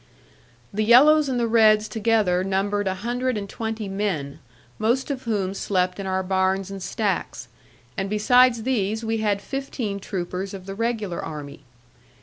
The yellows and the reds together numbered a hundred and twenty men, most of whom slept in our barns and stacks; and besides these we had fifteen troopers of the regular army.